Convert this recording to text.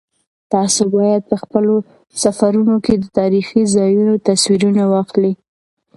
تاسو باید په خپلو سفرونو کې د تاریخي ځایونو تصویرونه واخلئ.